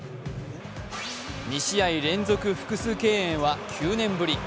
２試合連続複数敬遠は９年ぶり。